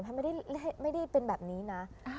แพทย์ไม่ได้เป็นแบบนี้นะ